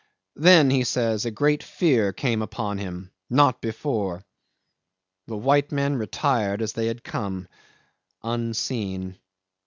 Then, he says, a great fear came upon him not before. The white men retired as they had come unseen.